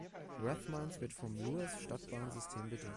Rathmines wird vom Luas-Stadtbahnsystem bedient.